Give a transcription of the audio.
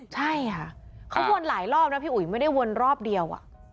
ใช่ค่ะเขาวนหลายรอบนะพี่อุ๋ยไม่ได้วนรอบเดียว